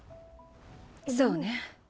そうね。